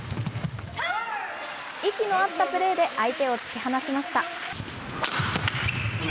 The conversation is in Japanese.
息の合ったプレーで、相手を突き放しました。